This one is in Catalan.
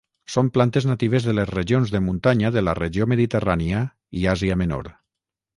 Són plantes natives de les regions de muntanya de la regió mediterrània i Àsia Menor.